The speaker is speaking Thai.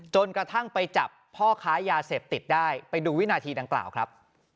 จนกระทั่งไปจับพ่อค้ายาเสพติดได้ไปดูวินาทีดังกล่าวครับ